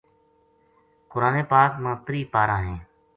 قرآن پاک ما تری پارہ ہیں۔